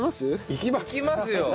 行きますよ！